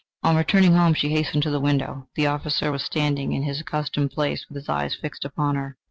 On returning home, she hastened to the window the officer was standing in his accustomed place, with his eyes fixed upon her.